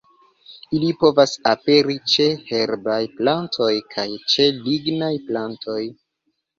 Ili povas aperi ĉe herbaj plantoj kaj ĉe lignaj plantoj.